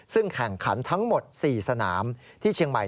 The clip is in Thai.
ซึ่งแข่งขันทั้งหมด๔สนามที่เชียงใหม่